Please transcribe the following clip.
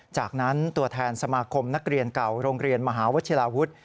จากนั้นตัวแทนสมาคมนักเรียนเก่าโรงเรียนมหาวชิลาวุฒิ